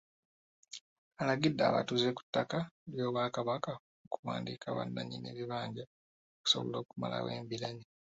Alagidde abatuuze ku ttaka ly'Obwakabaka okuwandiika bannanyini bibanja okusobola okumalawo embiranye.